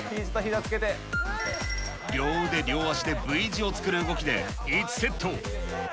両腕両足でＶ字を作る動きで１セット。